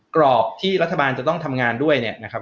กรอบที่รัฐบาลจะต้องทำงานด้วยเนี่ยนะครับ